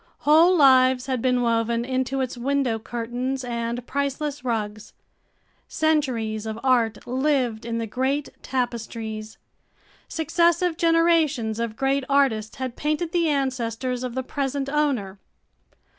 Whole lives had been woven into its window curtains and priceless rugs; centuries of art lived in the great tapestries; successive generations of great artists had painted the ancestors of the present owner.